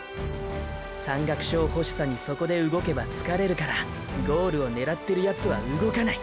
山岳賞欲しさにそこで動けば疲れるからゴールを狙ってるヤツは動かない。